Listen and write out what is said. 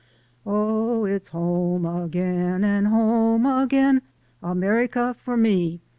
Oh, it's home a gain, and home again, A mer i ca for rit. me